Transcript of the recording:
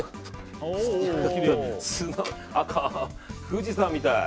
富士山みたい。